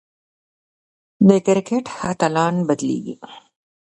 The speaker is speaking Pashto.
د کرکټ اتلان بدلېږي.